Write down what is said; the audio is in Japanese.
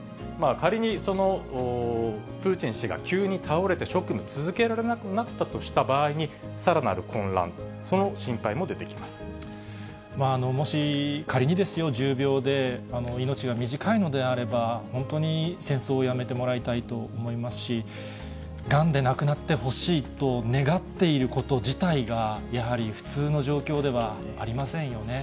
仮にプーチン氏が急に倒れて、職務続けられなくなったとした場合に、さらなる混乱、その心配ももし、仮に重病で命が短いのであれば、本当に戦争をやめてもらいたいと思いますし、がんで亡くなってほしいと願っていること自体が、やはり普通の状況ではありませんよね。